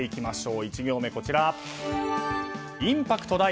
１行目、インパクト大？